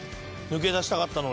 抜け出したかったのに。